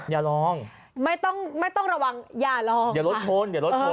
อย่าลองไม่ต้องระวังอย่าลองค่ะอย่าลดชน